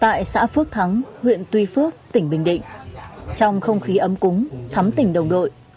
tại xã phước thắng huyện tuy phước tỉnh bình định trong không khí ấm cúng thắm tỉnh đồng đội